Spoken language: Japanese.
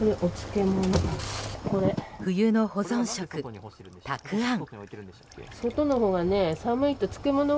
冬の保存食、たくあん。